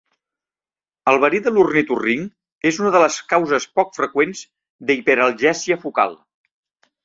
El verí de l'ornitorrinc és una de les causes poc freqüents d'hiperalgèsia focal.